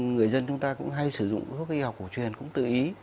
người dân chúng ta cũng hay sử dụng thuốc y học cổ truyền cũng tự ý